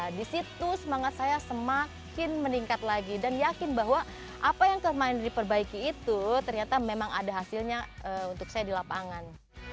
di situ semangat saya semakin meningkat lagi dan yakin bahwa apa yang kemarin diperbaiki itu ternyata memang ada hasilnya untuk saya di lapangan